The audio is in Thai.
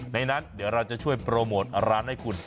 งั้นเดี๋ยวเราจะช่วยโปรโมทร้านให้คุณ